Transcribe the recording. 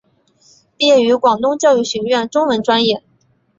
毕业于广东教育学院中文专业。